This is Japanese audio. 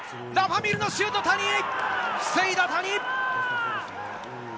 ラファ・ミールのシュートを谷、防いだ。